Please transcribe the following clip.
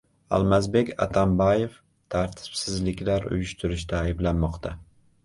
Almazbek Atambayev tartibsizliklar uyushtirishda ayblanmoqda